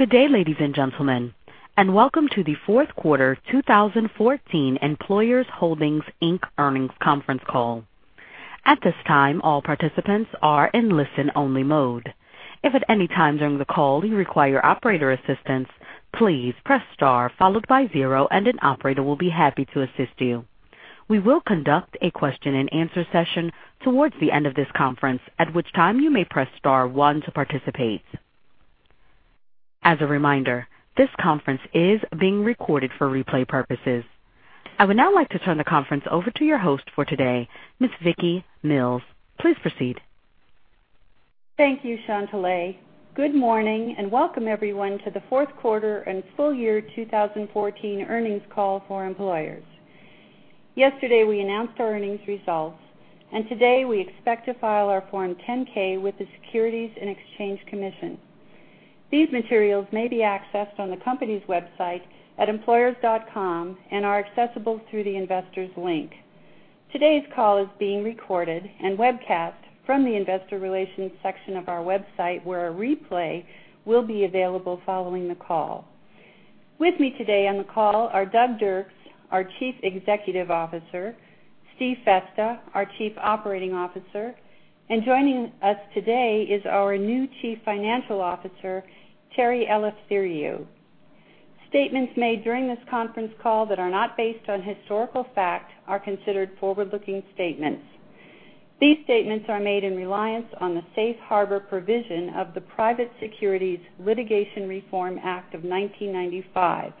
Good day, ladies and gentlemen, and welcome to the fourth quarter 2014 Employers Holdings, Inc. earnings conference call. At this time, all participants are in listen only mode. If at any time during the call you require operator assistance, please press star followed by zero and an operator will be happy to assist you. We will conduct a question and answer session towards the end of this conference, at which time you may press star one to participate. As a reminder, this conference is being recorded for replay purposes. I would now like to turn the conference over to your host for today, Ms. Vicki Mills. Please proceed. Thank you, Shantelle. Good morning and welcome everyone to the fourth quarter and full year 2014 earnings call for Employers. Yesterday, we announced our earnings results. Today, we expect to file our Form 10-K with the Securities and Exchange Commission. These materials may be accessed on the company's website at employers.com and are accessible through the investors link. Today's call is being recorded and webcast from the investor relations section of our website, where a replay will be available following the call. With me today on the call are Doug Dirks, our Chief Executive Officer, Steve Festa, our Chief Operating Officer, and joining us today is our new Chief Financial Officer, Terry Eleftheriou. Statements made during this conference call that are not based on historical fact are considered forward-looking statements. These statements are made in reliance on the Safe Harbor provision of the Private Securities Litigation Reform Act of 1995.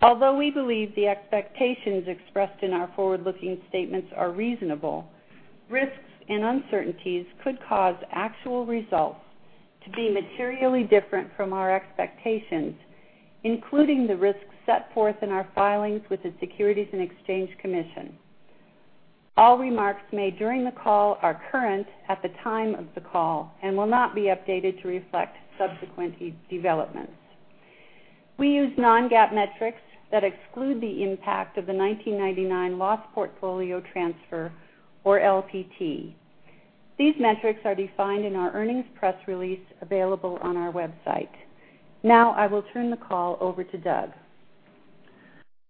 Although we believe the expectations expressed in our forward-looking statements are reasonable, risks and uncertainties could cause actual results to be materially different from our expectations, including the risks set forth in our filings with the Securities and Exchange Commission. All remarks made during the call are current at the time of the call and will not be updated to reflect subsequent developments. We use non-GAAP metrics that exclude the impact of the 1999 loss portfolio transfer, or LPT. These metrics are defined in our earnings press release available on our website. Now I will turn the call over to Doug.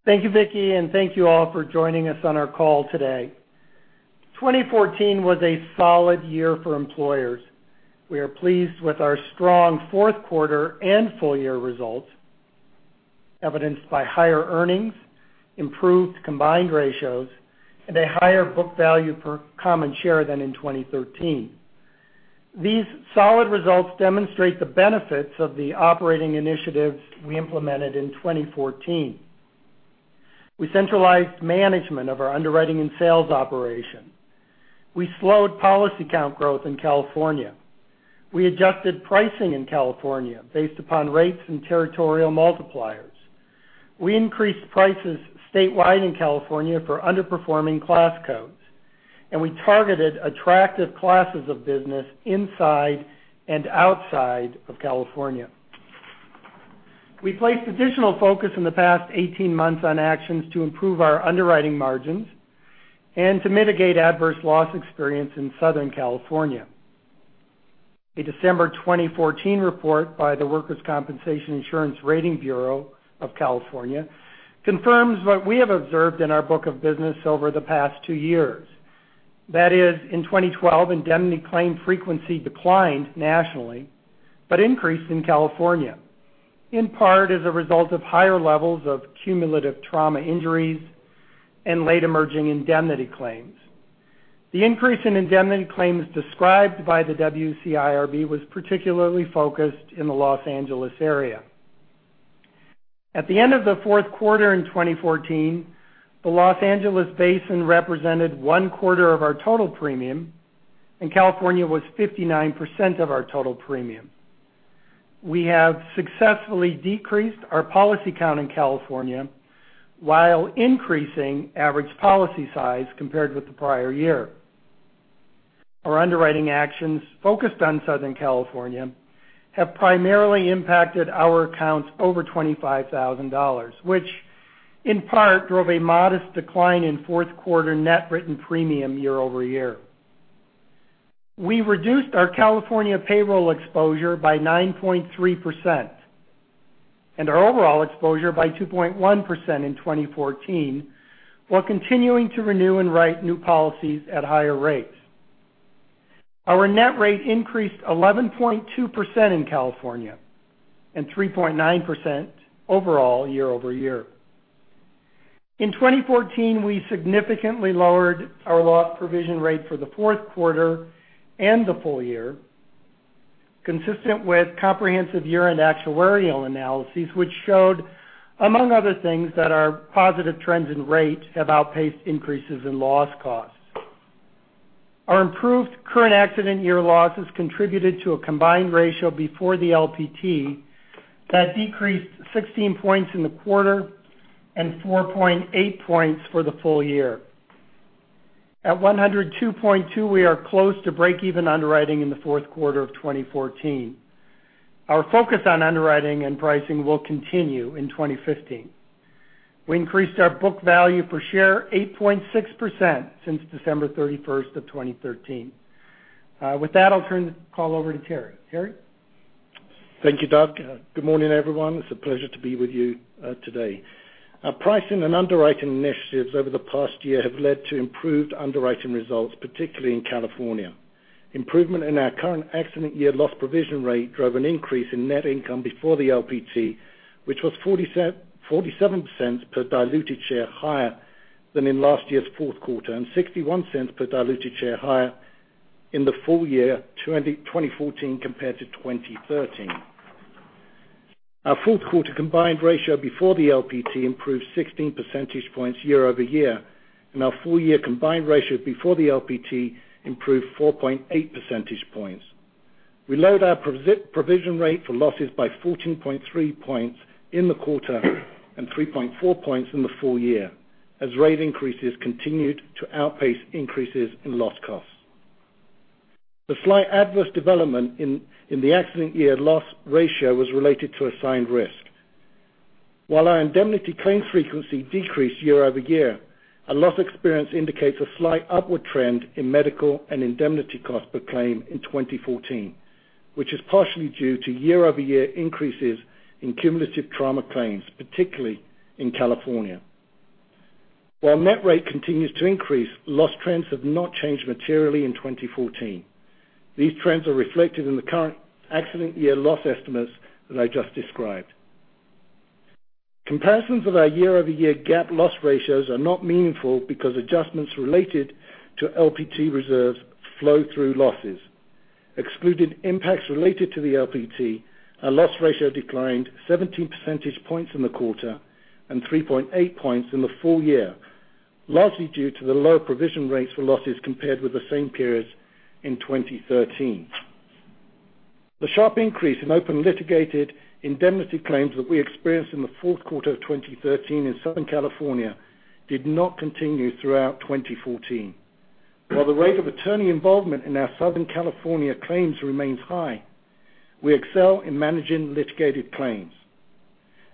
Thank you, Vicki. Thank you all for joining us on our call today. 2014 was a solid year for Employers. We are pleased with our strong fourth quarter and full year results, evidenced by higher earnings, improved combined ratios and a higher book value per common share than in 2013. These solid results demonstrate the benefits of the operating initiatives we implemented in 2014. We centralized management of our underwriting and sales operation. We slowed policy count growth in California. We adjusted pricing in California based upon rates and territorial multipliers. We increased prices statewide in California for underperforming class codes. We targeted attractive classes of business inside and outside of California. We placed additional focus in the past 18 months on actions to improve our underwriting margins and to mitigate adverse loss experience in Southern California. A December 2014 report by the Workers' Compensation Insurance Rating Bureau of California confirms what we have observed in our book of business over the past two years. That is, in 2012, indemnity claim frequency declined nationally, but increased in California, in part as a result of higher levels of cumulative trauma injuries and late emerging indemnity claims. The increase in indemnity claims described by the WCIRB was particularly focused in the Los Angeles area. At the end of the fourth quarter in 2014, the Los Angeles basin represented one quarter of our total premium, and California was 59% of our total premium. We have successfully decreased our policy count in California while increasing average policy size compared with the prior year. Our underwriting actions focused on Southern California have primarily impacted our accounts over $25,000, which in part drove a modest decline in fourth quarter net written premium year-over-year. We reduced our California payroll exposure by 9.3% and our overall exposure by 2.1% in 2014, while continuing to renew and write new policies at higher rates. Our net rate increased 11.2% in California and 3.9% overall year-over-year. In 2014, we significantly lowered our loss provision rate for the fourth quarter and the full year, consistent with comprehensive year-end actuarial analyses, which showed, among other things, that our positive trends in rates have outpaced increases in loss costs. Our improved current accident year losses contributed to a combined ratio before the LPT that decreased 16 points in the quarter and 4.8 points for the full year. At 102.2, we are close to break even underwriting in the fourth quarter of 2014. Our focus on underwriting and pricing will continue in 2015. We increased our book value per share 8.6% since December 31st of 2013. With that, I'll turn the call over to Terry. Terry? Thank you, Doug. Good morning, everyone. It's a pleasure to be with you today. Our pricing and underwriting initiatives over the past year have led to improved underwriting results, particularly in California. Improvement in our current accident year loss provision rate drove an increase in net income before the LPT, which was $0.47 per diluted share higher than in last year's fourth quarter, and $0.61 per diluted share higher in the full year 2014 compared to 2013. Our fourth quarter combined ratio before the LPT improved 16 percentage points year-over-year, and our full-year combined ratio before the LPT improved 4.8 percentage points. We lowered our provision rate for losses by 14.3 points in the quarter and 3.4 points in the full year, as rate increases continued to outpace increases in loss costs. The slight adverse development in the accident year loss ratio was related to assigned risk. While our indemnity claim frequency decreased year-over-year, our loss experience indicates a slight upward trend in medical and indemnity cost per claim in 2014, which is partially due to year-over-year increases in cumulative trauma claims, particularly in California. While net rate continues to increase, loss trends have not changed materially in 2014. These trends are reflected in the current accident year loss estimates that I just described. Comparisons of our year-over-year GAAP loss ratios are not meaningful because adjustments related to LPT reserves flow through losses. Excluding impacts related to the LPT, our loss ratio declined 17 percentage points in the quarter and 3.8 points in the full year, largely due to the lower provision rates for losses compared with the same periods in 2013. The sharp increase in open litigated indemnity claims that we experienced in the fourth quarter of 2013 in Southern California did not continue throughout 2014. While the rate of attorney involvement in our Southern California claims remains high, we excel in managing litigated claims.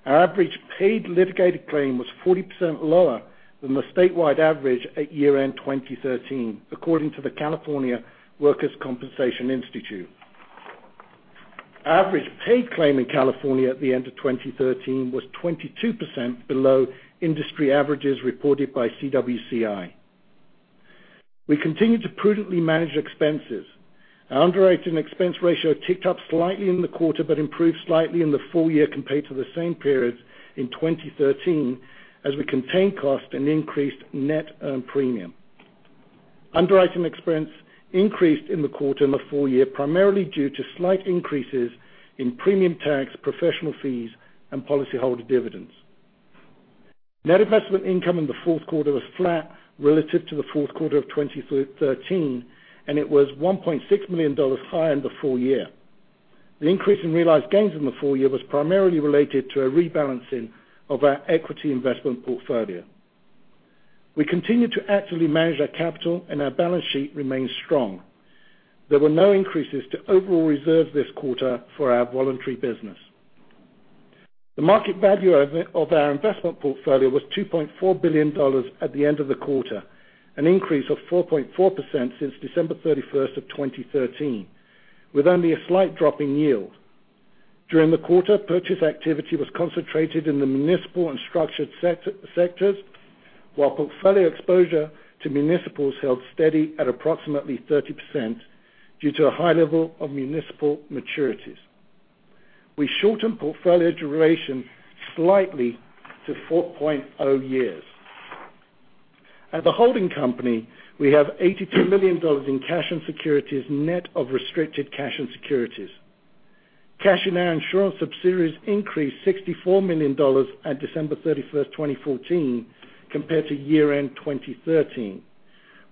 Our average paid litigated claim was 40% lower than the statewide average at year-end 2013, according to the California Workers' Compensation Institute. Average paid claim in California at the end of 2013 was 22% below industry averages reported by CWCI. We continued to prudently manage expenses. Our underwriting expense ratio ticked up slightly in the quarter, but improved slightly in the full year compared to the same periods in 2013, as we contained costs and increased net earned premium. Underwriting expense increased in the quarter and the full year, primarily due to slight increases in premium tax, professional fees, and policyholder dividends. Net investment income in the fourth quarter was flat relative to the fourth quarter of 2013. It was $1.6 million higher in the full year. The increase in realized gains in the full year was primarily related to a rebalancing of our equity investment portfolio. We continued to actively manage our capital, and our balance sheet remains strong. There were no increases to overall reserves this quarter for our voluntary business. The market value of our investment portfolio was $2.4 billion at the end of the quarter, an increase of 4.4% since December 31st of 2013, with only a slight drop in yield. During the quarter, purchase activity was concentrated in the municipal and structured sectors, while portfolio exposure to municipals held steady at approximately 30% due to a high level of municipal maturities. We shortened portfolio duration slightly to 4.0 years. At the holding company, we have $82 million in cash and securities net of restricted cash and securities. Cash in our insurance subsidiaries increased to $64 million at December 31st, 2014, compared to year-end 2013.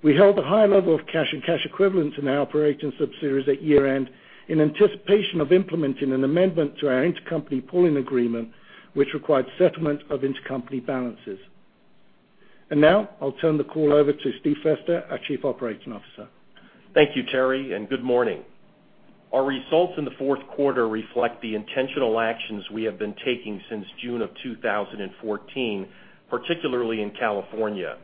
We held a high level of cash and cash equivalents in our operating subsidiaries at year-end in anticipation of implementing an amendment to our intercompany pooling agreement, which required settlement of intercompany balances. Now I'll turn the call over to Steve Festa, our chief operating officer. Thank you, Terry, and good morning. Our results in the fourth quarter reflect the intentional actions we have been taking since June of 2014, particularly in California.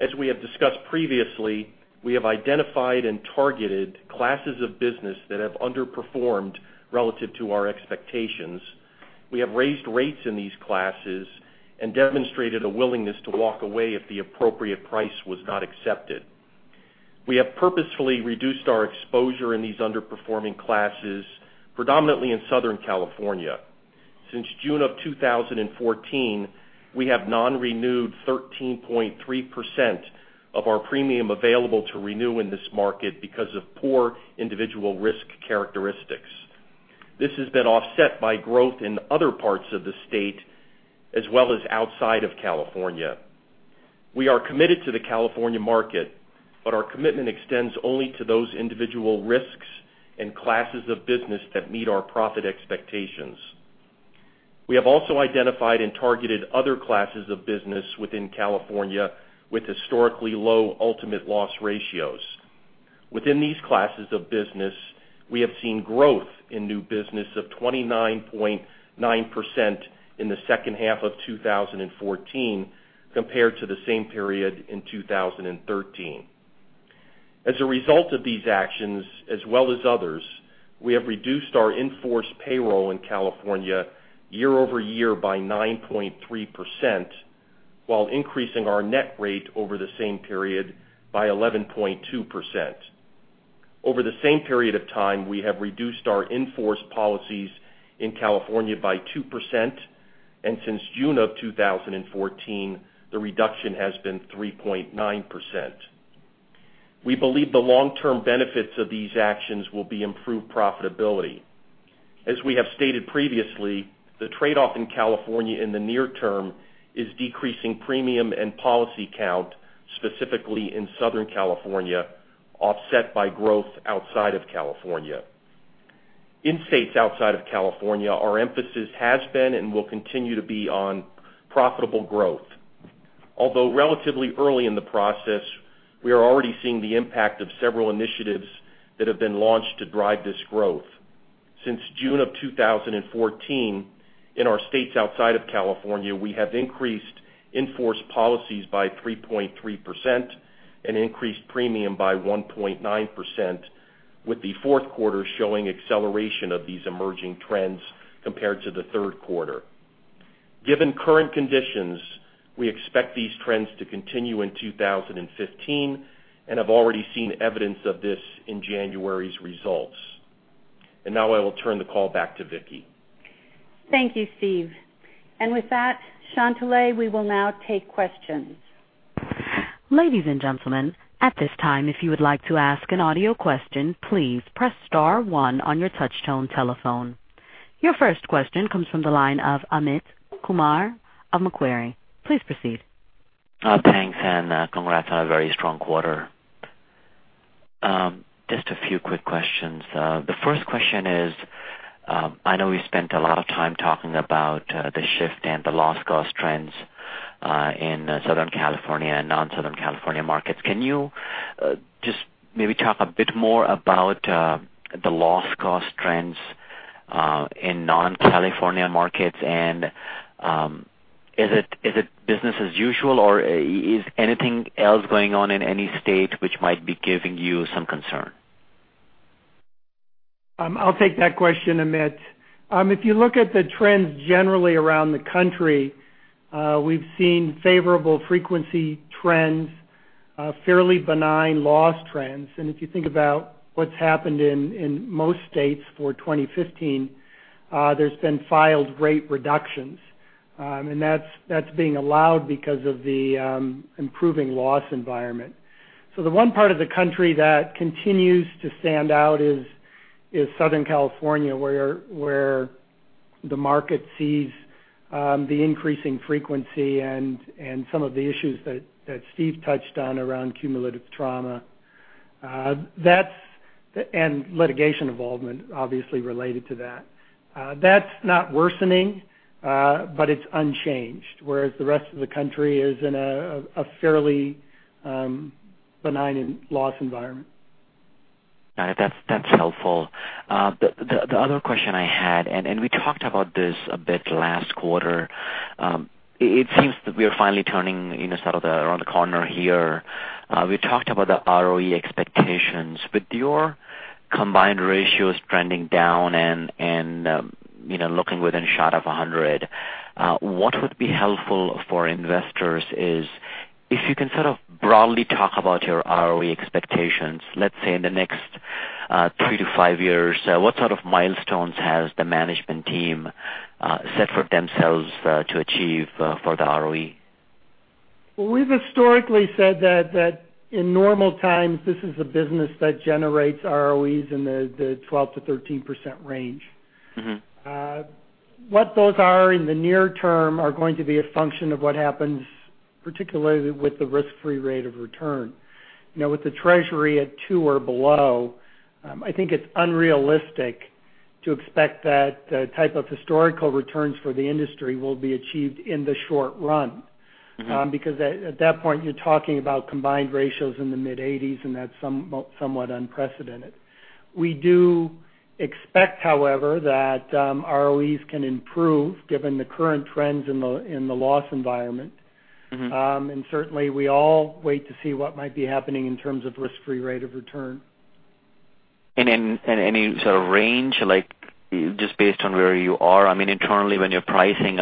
As we have discussed previously, we have identified and targeted classes of business that have underperformed relative to our expectations. We have raised rates in these classes and demonstrated a willingness to walk away if the appropriate price was not accepted. We have purposefully reduced our exposure in these underperforming classes, predominantly in Southern California. Since June of 2014, we have non-renewed 13.3% of our premium available to renew in this market because of poor individual risk characteristics. This has been offset by growth in other parts of the state, as well as outside of California. We are committed to the California market, but our commitment extends only to those individual risks and classes of business that meet our profit expectations. We have also identified and targeted other classes of business within California with historically low ultimate loss ratios. Within these classes of business, we have seen growth in new business of 29.9% in the second half of 2014 compared to the same period in 2013. As a result of these actions, as well as others, we have reduced our in-force payroll in California year-over-year by 9.3%, while increasing our net rate over the same period by 11.2%. Over the same period of time, we have reduced our in-force policies in California by 2%, and since June of 2014, the reduction has been 3.9%. We believe the long-term benefits of these actions will be improved profitability. As we have stated previously, the trade-off in California in the near term is decreasing premium and policy count, specifically in Southern California, offset by growth outside of California. In states outside of California, our emphasis has been and will continue to be on profitable growth. Although relatively early in the process, we are already seeing the impact of several initiatives that have been launched to drive this growth. Since June of 2014, in our states outside of California, we have increased in-force policies by 3.3% and increased premium by 1.9%, with the fourth quarter showing acceleration of these emerging trends compared to the third quarter. Given current conditions, we expect these trends to continue in 2015 and have already seen evidence of this in January's results. Now I will turn the call back to Vicki. Thank you, Steve. With that, Shantelle, we will now take questions. Ladies and gentlemen, at this time, if you would like to ask an audio question, please press star one on your touchtone telephone. Your first question comes from the line of Amit Kumar of Macquarie. Please proceed. Thanks, and congrats on a very strong quarter. Just a few quick questions. The first question is, I know you spent a lot of time talking about the shift and the loss cost trends in Southern California and non-Southern California markets. Can you just maybe talk a bit more about the loss cost trends in non-California markets, and is it business as usual, or is anything else going on in any state which might be giving you some concern? I'll take that question, Amit. If you look at the trends generally around the country, we've seen favorable frequency trends, fairly benign loss trends. If you think about what's happened in most states for 2015, there's been filed rate reductions. That's being allowed because of the improving loss environment. The one part of the country that continues to stand out is Southern California, where the market sees the increasing frequency and some of the issues that Steve touched on around cumulative trauma. Litigation involvement, obviously related to that. That's not worsening, but it's unchanged, whereas the rest of the country is in a fairly benign loss environment. Got it. That's helpful. The other question I had. We talked about this a bit last quarter. It seems that we are finally turning sort of around the corner here. We talked about the ROE expectations. With your combined ratios trending down and looking within a shot of 100, what would be helpful for investors is if you can sort of broadly talk about your ROE expectations, let's say in the next 3 to 5 years, what sort of milestones has the management team set for themselves to achieve for the ROE? Well, we've historically said that in normal times, this is a business that generates ROEs in the 12%-13% range. What those are in the near term are going to be a function of what happens, particularly with the risk-free rate of return. With the treasury at two or below, I think it's unrealistic to expect that the type of historical returns for the industry will be achieved in the short run. At that point, you're talking about combined ratios in the mid-80s, and that's somewhat unprecedented. We do expect, however, that ROEs can improve given the current trends in the loss environment. Certainly, we all wait to see what might be happening in terms of risk-free rate of return. Any sort of range, just based on where you are? Internally when you're pricing,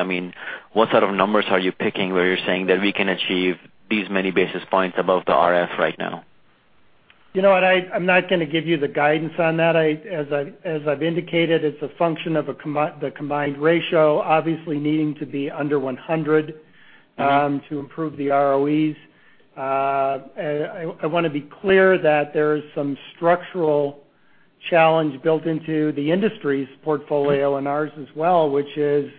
what sort of numbers are you picking where you're saying that we can achieve these many basis points above the RF right now? You know what? I'm not going to give you the guidance on that. As I've indicated, it's a function of the combined ratio, obviously needing to be under 100 to improve the ROEs. I want to be clear that there is some structural challenge built into the industry's portfolio and ours as well, which is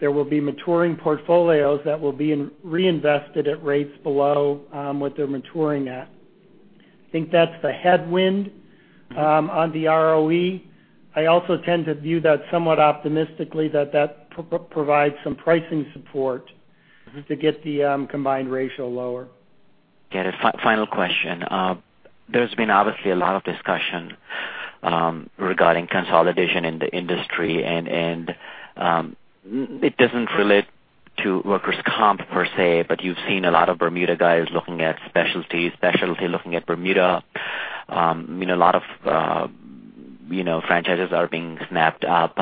there will be maturing portfolios that will be reinvested at rates below what they're maturing at. I think that's the headwind on the ROE. I also tend to view that somewhat optimistically that that provides some pricing support To get the combined ratio lower. Got it. Final question. There's been obviously a lot of discussion regarding consolidation in the industry, and it doesn't relate to workers' comp per se, but you've seen a lot of Bermuda guys looking at specialty looking at Bermuda. A lot of franchises are being snapped up.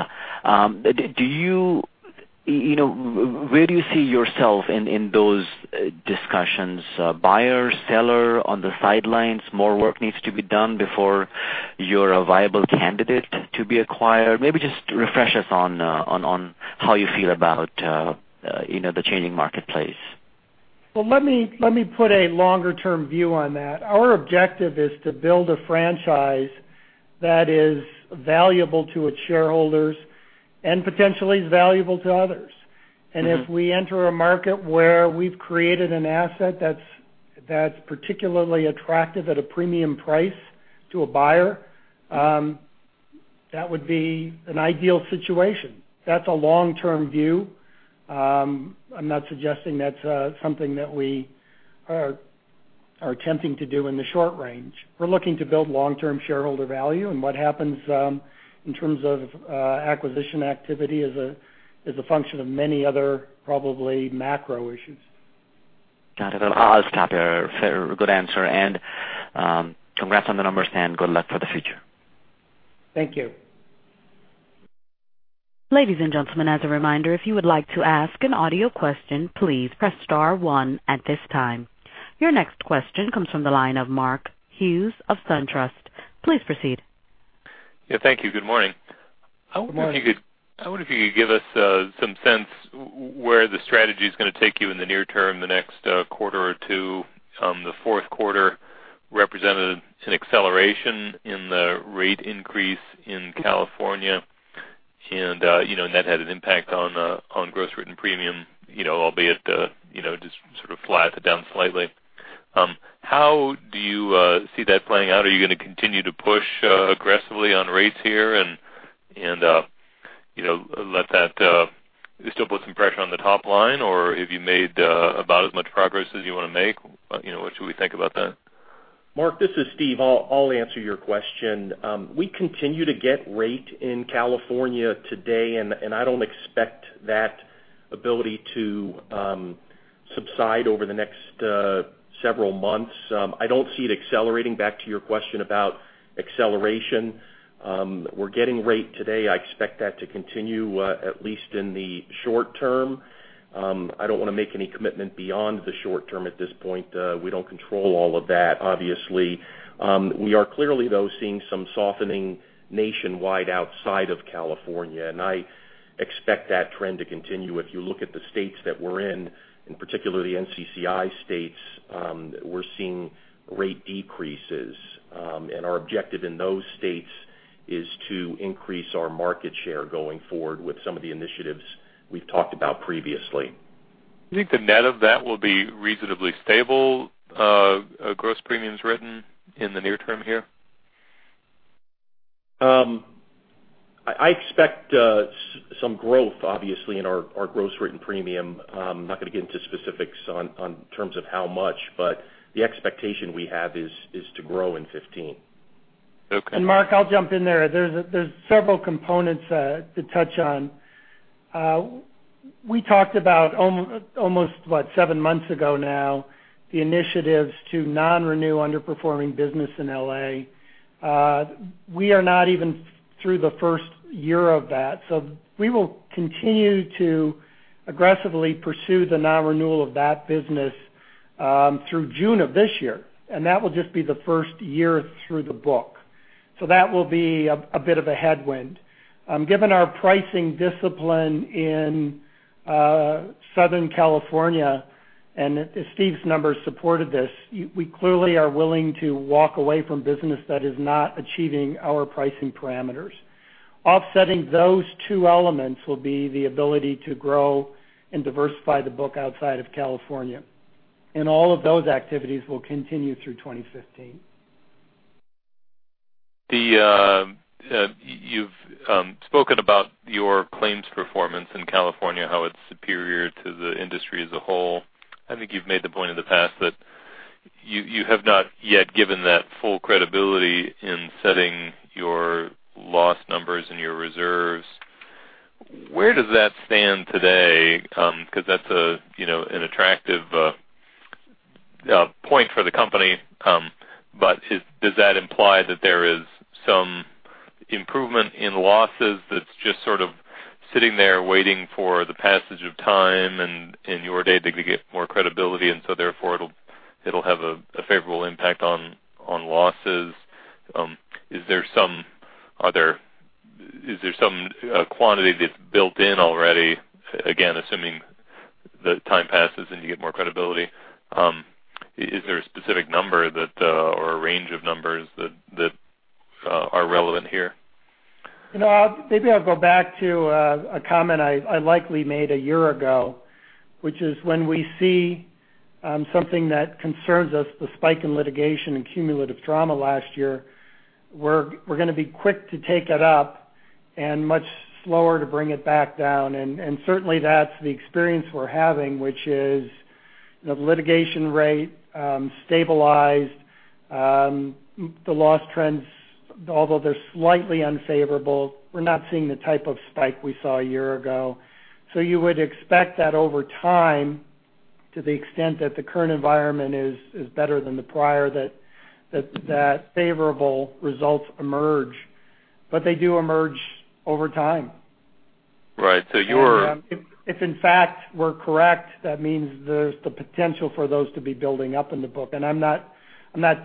Where do you see yourself in those discussions? Buyer, seller, on the sidelines? More work needs to be done before you're a viable candidate to be acquired? Maybe just refresh us on how you feel about the changing marketplace. Well, let me put a longer-term view on that. Our objective is to build a franchise that is valuable to its shareholders and potentially is valuable to others. If we enter a market where we've created an asset that's particularly attractive at a premium price to a buyer, that would be an ideal situation. That's a long-term view. I'm not suggesting that's something that we are attempting to do in the short range. We're looking to build long-term shareholder value, and what happens in terms of acquisition activity is a function of many other probably macro issues. Got it. I'll stop here. Fair. Good answer, and congrats on the numbers, and good luck for the future. Thank you. Ladies and gentlemen, as a reminder, if you would like to ask an audio question, please press star one at this time. Your next question comes from the line of Mark Hughes of SunTrust. Please proceed. Yeah, thank you. Good morning. Good morning. I wonder if you could give us some sense where the strategy is going to take you in the near term, the next quarter or two. The fourth quarter represented an acceleration in the rate increase in California, and that had an impact on gross written premium, albeit, just sort of flattened it down slightly. How do you see that playing out? Are you going to continue to push aggressively on rates here and still put some pressure on the top line, or have you made about as much progress as you want to make? What should we think about that? Mark, this is Steve. I'll answer your question. We continue to get rate in California today, I don't expect that ability to subside over the next several months. I don't see it accelerating, back to your question about acceleration. We're getting rate today. I expect that to continue, at least in the short term. I don't want to make any commitment beyond the short term at this point. We don't control all of that, obviously. We are clearly, though, seeing some softening nationwide outside of California, I expect that trend to continue. If you look at the states that we're in particular the NCCI states, we're seeing rate decreases. Our objective in those states is to increase our market share going forward with some of the initiatives we've talked about previously. Do you think the net of that will be reasonably stable gross premiums written in the near term here? I expect some growth, obviously, in our gross written premium. I'm not going to get into specifics on terms of how much, the expectation we have is to grow in 2015. Okay. Mark, I'll jump in there. There's several components to touch on. We talked about almost, what, seven months ago now, the initiatives to non-renew underperforming business in L.A. We are not even through the first year of that, we will continue to aggressively pursue the non-renewal of that business through June of this year, that will just be the first year through the book. That will be a bit of a headwind. Given our pricing discipline in Southern California, and Steve's numbers supported this, we clearly are willing to walk away from business that is not achieving our pricing parameters. Offsetting those two elements will be the ability to grow and diversify the book outside of California, all of those activities will continue through 2015. You've spoken about your claims performance in California, how it's superior to the industry as a whole. I think you've made the point in the past that you have not yet given that full credibility in setting your loss numbers and your reserves. Where does that stand today? That's an attractive point for the company. Does that imply that there is some improvement in losses that's just sort of sitting there waiting for the passage of time and in your data to get more credibility, therefore it'll have a favorable impact on losses? Is there some quantity that's built in already, again, assuming that time passes and you get more credibility? Is there a specific number or a range of numbers that are relevant here? Maybe I'll go back to a comment I likely made a year ago, which is when we see something that concerns us, the spike in litigation and cumulative trauma last year, we're going to be quick to take it up. Much slower to bring it back down. Certainly, that's the experience we're having, which is the litigation rate stabilized, the loss trends, although they're slightly unfavorable, we're not seeing the type of spike we saw a year ago. You would expect that over time, to the extent that the current environment is better than the prior, that favorable results emerge. They do emerge over time. Right. You're- If in fact we're correct, that means there's the potential for those to be building up in the book. I'm not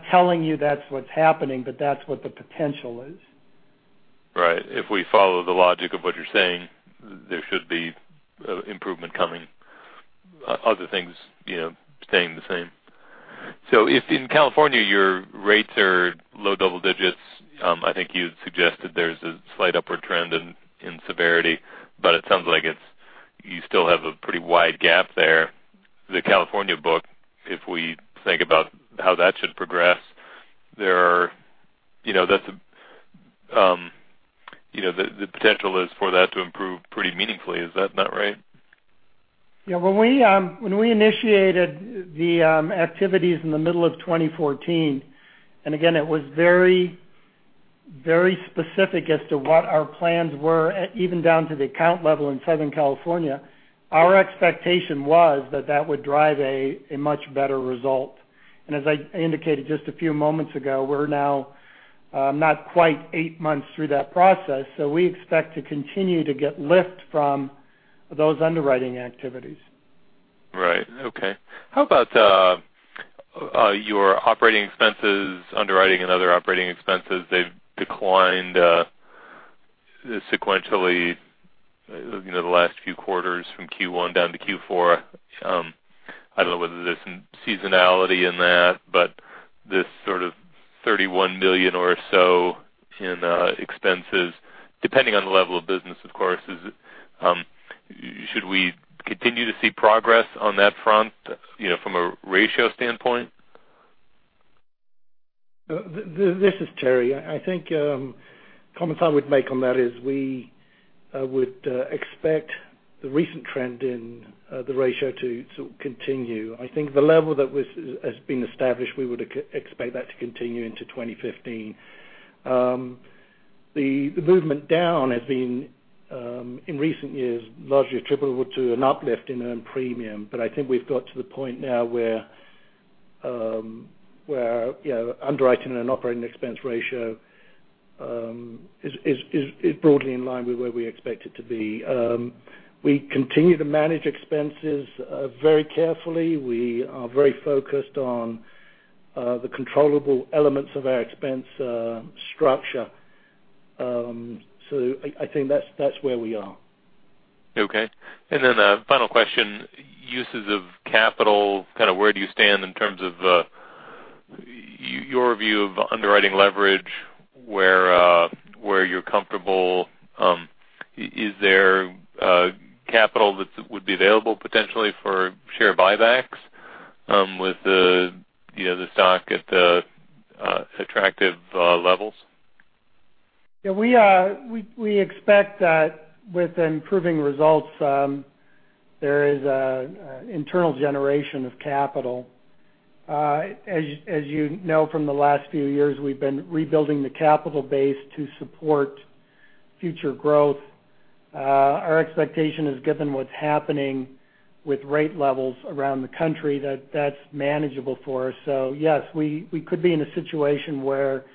telling you that's what's happening, that's what the potential is. Right. If we follow the logic of what you're saying, there should be improvement coming, other things staying the same. If in California, your rates are low double digits, I think you had suggested there's a slight upward trend in severity, but it sounds like you still have a pretty wide gap there. The California book, if we think about how that should progress, the potential is for that to improve pretty meaningfully. Is that not right? Yeah. When we initiated the activities in the middle of 2014, and again, it was very specific as to what our plans were, even down to the account level in Southern California, our expectation was that that would drive a much better result. As I indicated just a few moments ago, we're now not quite eight months through that process, so we expect to continue to get lift from those underwriting activities. Right. Okay. How about your operating expenses, underwriting and other operating expenses? They've declined sequentially the last few quarters from Q1 down to Q4. I don't know whether there's some seasonality in that, but this sort of $31 million or so in expenses, depending on the level of business, of course. Should we continue to see progress on that front from a ratio standpoint? This is Terry. I think comment I would make on that is we would expect the recent trend in the ratio to continue. I think the level that has been established, we would expect that to continue into 2015. The movement down has been, in recent years, largely attributable to an uplift in earned premium. But I think we've got to the point now where underwriting and operating expense ratio is broadly in line with where we expect it to be. We continue to manage expenses very carefully. We are very focused on the controllable elements of our expense structure. I think that's where we are. Okay. A final question. Uses of capital, kind of where do you stand in terms of your view of underwriting leverage, where you're comfortable? Is there capital that would be available potentially for share buybacks with the stock at attractive levels? Yeah, we expect that with improving results, there is an internal generation of capital. As you know from the last few years, we've been rebuilding the capital base to support future growth. Our expectation is given what's happening with rate levels around the country, that's manageable for us. Yes, we could be in a situation where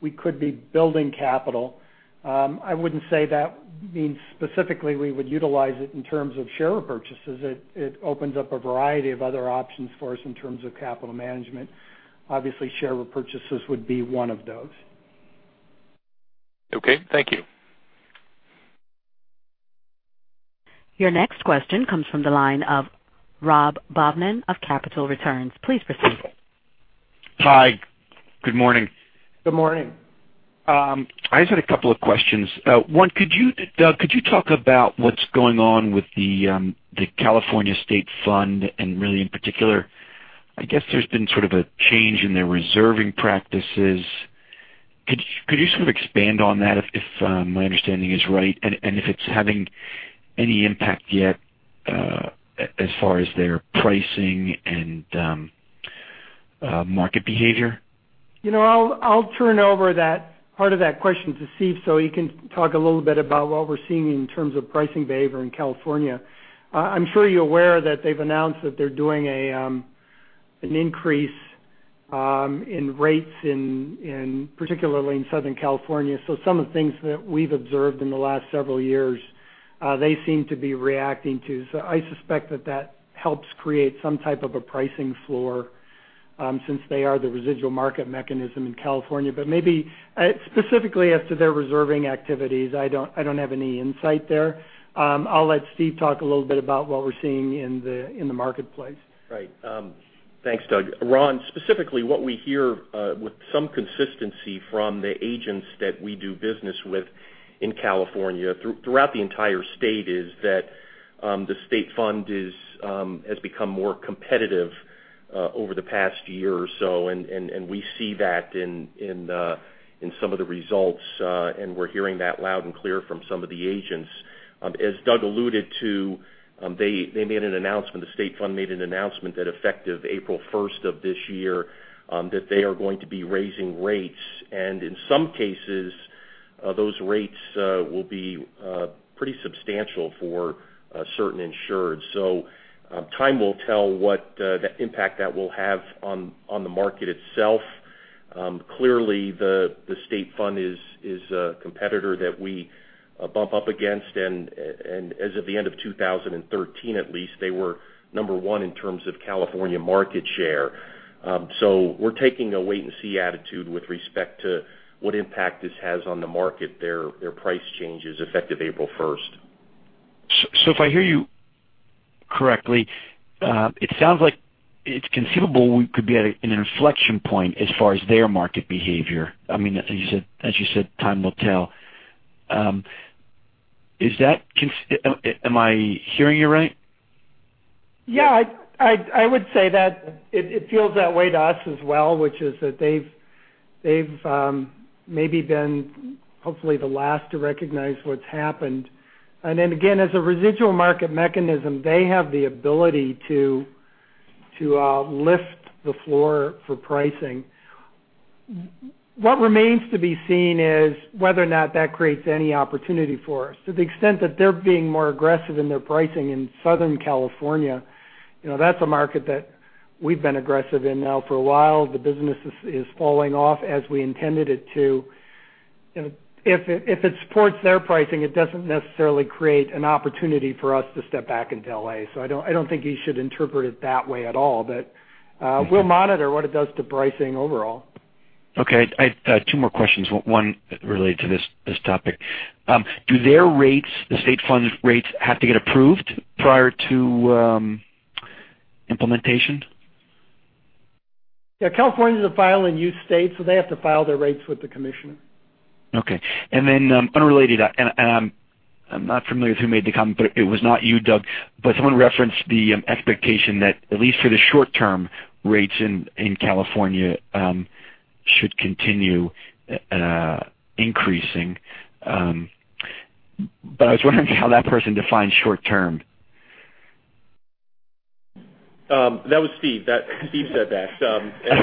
we could be building capital. I wouldn't say that means specifically we would utilize it in terms of share repurchases. It opens up a variety of other options for us in terms of capital management. Obviously, share repurchases would be one of those. Okay. Thank you. Your next question comes from the line of Ronald Bobman of Capital Returns. Please proceed. Hi. Good morning. Good morning. I just had a couple of questions. One, could you talk about what's going on with the California State Fund, and really in particular, I guess there's been sort of a change in their reserving practices. Could you sort of expand on that if my understanding is right, and if it's having any impact yet as far as their pricing and market behavior? I'll turn over that part of that question to Steve so he can talk a little bit about what we're seeing in terms of pricing behavior in California. I'm sure you're aware that they've announced that they're doing an increase in rates particularly in Southern California. Some of the things that we've observed in the last several years, they seem to be reacting to. I suspect that that helps create some type of a pricing floor since they are the residual market mechanism in California. Maybe specifically as to their reserving activities, I don't have any insight there. I'll let Steve talk a little bit about what we're seeing in the marketplace. Right. Thanks, Doug. Ron, specifically what we hear with some consistency from the agents that we do business with in California throughout the entire state is that the State Fund has become more competitive over the past year or so, and we see that in some of the results, and we're hearing that loud and clear from some of the agents. As Doug alluded to, the State Fund made an announcement that effective April 1st of this year, that they are going to be raising rates, and in some cases, those rates will be pretty substantial for certain insureds. Time will tell what the impact that will have on the market itself. Clearly, the State Fund is a competitor that we bump up against, and as of the end of 2013 at least, they were number 1 in terms of California market share. We're taking a wait and see attitude with respect to what impact this has on the market, their price changes effective April 1st. If I hear you correctly, it sounds like it's conceivable we could be at an inflection point as far as their market behavior. As you said, time will tell. Am I hearing you right? Yeah, I would say that it feels that way to us as well, which is that they've maybe been, hopefully the last to recognize what's happened. Again, as a residual market mechanism, they have the ability to lift the floor for pricing. What remains to be seen is whether or not that creates any opportunity for us. To the extent that they're being more aggressive in their pricing in Southern California, that's a market that we've been aggressive in now for a while. The business is falling off as we intended it to. If it supports their pricing, it doesn't necessarily create an opportunity for us to step back into L.A. I don't think you should interpret it that way at all. We'll monitor what it does to pricing overall. Okay. I've got two more questions, one related to this topic. Do their rates, the State Fund's rates, have to get approved prior to implementation? Yeah, California's a file and use state. They have to file their rates with the commissioner. Okay. Unrelated, I'm not familiar with who made the comment. It was not you, Doug. Someone referenced the expectation that at least for the short term, rates in California should continue increasing. I was wondering how that person defined short term. That was Steve. Steve said that.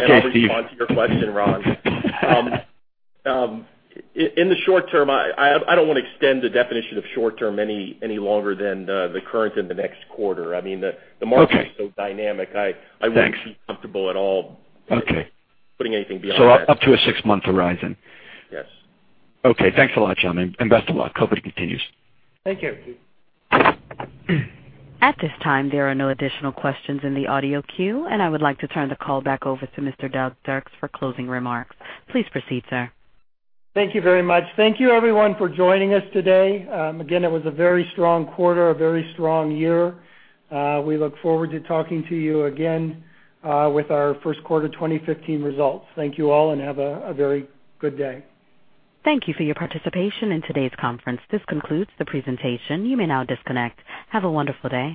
Okay, Steve. I'll respond to your question, Ron. In the short term, I don't want to extend the definition of short term any longer than the current and the next quarter. Okay. The market is so dynamic, Thanks I wouldn't feel comfortable at all. Okay putting anything beyond that. Up to a six-month horizon. Yes. Okay. Thanks a lot, gentlemen, and best of luck. Hope it continues. Thank you. Thank you. At this time, there are no additional questions in the audio queue, and I would like to turn the call back over to Mr. Doug Dirks for closing remarks. Please proceed, sir. Thank you very much. Thank you everyone for joining us today. Again, it was a very strong quarter, a very strong year. We look forward to talking to you again with our first quarter 2015 results. Thank you all, and have a very good day. Thank you for your participation in today's conference. This concludes the presentation. You may now disconnect. Have a wonderful day.